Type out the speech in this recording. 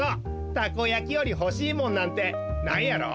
たこやきよりほしいもんなんてないやろ？